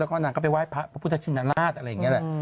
แล้วก็นางก็ไปไห้พระพุทธชินราชอะไรอย่างนี้แหละ